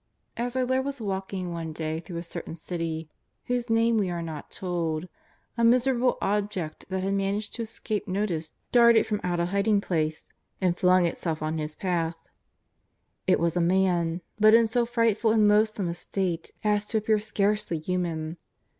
As our Lord was walking one day through a certain city, whose name we are not told, a miserable object that had managed to escape notice darted from out a hiding place and flung itself on His path. It was a man, but in so frightful and loathsome a state as to appear scarcely human.